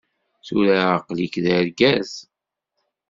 Tura aql-ik d argaz.